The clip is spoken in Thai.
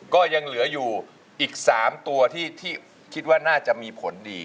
ก็ยังเหลืออยู่อีก๓ตัวที่คิดว่าน่าจะมีผลดี